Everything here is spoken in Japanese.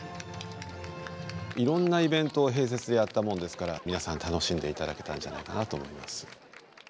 いろんなイベントを併設でやったもんですから皆さん楽しんでいただけたんじゃないかなと思います。